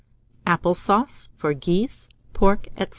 APPLE SAUCE FOR GEESE, PORK, &c.